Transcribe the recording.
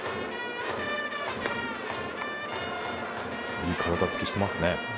いい体つきしてますね。